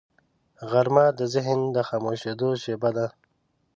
غرمه د ذهن د خاموشیدو شیبه ده